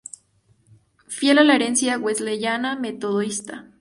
Fiel a la herencia wesleyana-metodista.